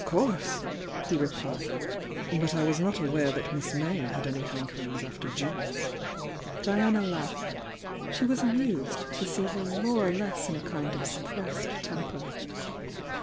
"PL*;°"^^'" ^^ '■^P"^^ "But I was not aware taat Miss May had any hankerings after jewels." Diana laughed. She was amused to see him more or less m a kind of suppressed temper.